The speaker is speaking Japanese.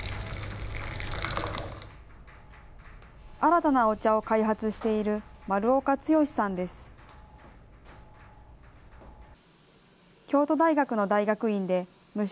新たなお茶を開発している丸岡毅さんです。